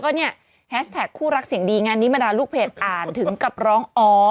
หี้ซ์แตคคู่เราก็ได้รุกเพจอ่านถึงกับร้องอ๋อ